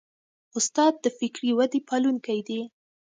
استاد د فکري ودې پالونکی دی.